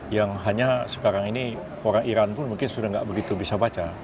yang hanya sekarang ini orang iran pun mungkin sudah tidak begitu bisa baca